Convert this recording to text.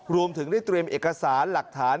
รวมถึงได้เตรียมเอกสารหลักฐาน